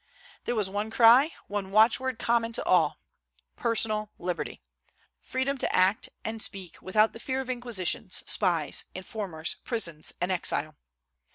There was one cry, one watchword common to all, Personal liberty! freedom to act and speak without the fear of inquisitions, spies, informers, prisons, and exile.